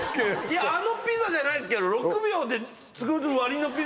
いやあのピザじゃないですけど６秒で作る割の。